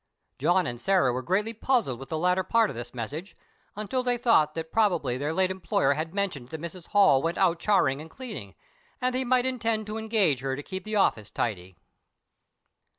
John and Sarah were greatly puzzled with the latter part of this message, until they thought that probably their late employer had mentioned that Mrs. Holl went out charring and cleaning, and that he might intend to engage her to keep the office tidy.